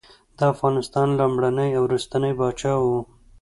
د افغانستان لومړنی او وروستنی پاچا وو.